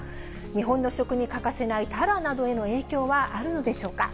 日本の食に欠かせないタラなどへの影響はあるのでしょうか。